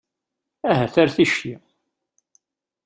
Ahat ar ticki.